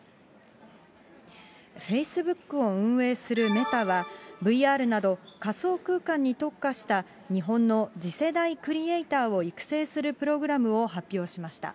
フェイスブックを運営するメタは、ＶＲなど仮想空間に特化した日本の次世代クリエーターを育成するプログラムを発表しました。